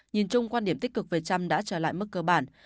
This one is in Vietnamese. nhìn chung quan điểm tích cực về chăm đã trở lại mức cơ bản